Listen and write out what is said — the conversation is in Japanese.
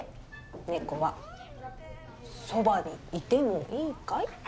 「ねこはそばにいてもいいかい」